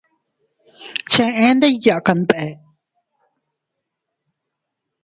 Cheʼe ndikya kanbee.